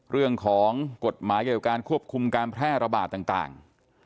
เรื่องของกฎหมายการควบคุมการแพร่ระบาดต่าง